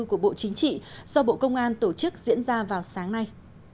của bộ chính trị do bộ công an tổ chức diễn ra vào sáng nay